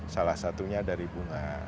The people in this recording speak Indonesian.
salah satunya dari bunga